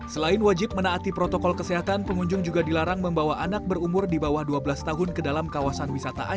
selain wajib menaati protokol kesehatan pengunjung juga dilarang membawa anak berumur di bawah dua belas tahun ke dalam kawasan wisata